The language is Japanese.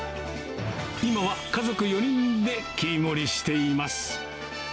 今は家族４人で切り盛りしています。